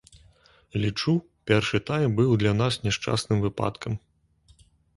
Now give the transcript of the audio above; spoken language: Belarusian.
Лічу, першы тайм быў для нас няшчасным выпадкам.